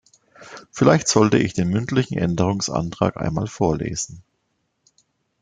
Vielleicht sollte ich den mündlichen Änderungsantrag einmal vorlesen.